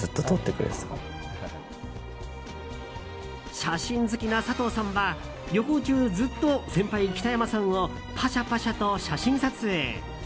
写真好きな佐藤さんは旅行中ずっと先輩・北山さんをパシャパシャと写真撮影。